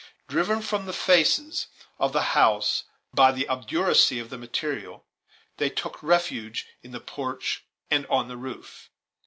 Driven from the faces of the house by the obduracy of the material, they took refuge in the porch and on the roof.